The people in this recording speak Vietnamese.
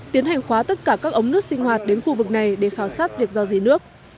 tiến hành khóa tất cả các ống nước sinh hoạt đến khu vực này để khảo sát việc do dì nước